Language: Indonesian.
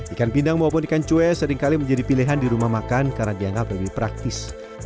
ikan pindang maupun ikan cuek seringkali menjadi pilihan di rumah makan karena dianggap lebih praktis